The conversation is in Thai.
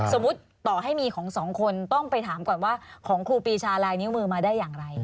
ต่อให้มีของสองคนต้องไปถามก่อนว่าของครูปีชาลายนิ้วมือมาได้อย่างไร